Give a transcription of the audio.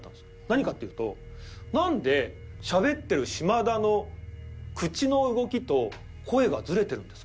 何かっていうと「なんでしゃべってる島田の口の動きと声がズレてるんですか？」。